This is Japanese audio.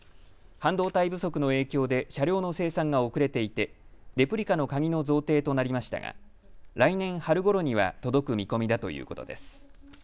半導体不足の影響で車両の生産が遅れていてレプリカの鍵の贈呈となりましたが来年春ごろには届く見込みだということです。